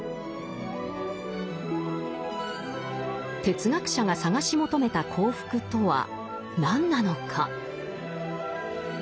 哲学者が探し求めた幸福とは何なのか。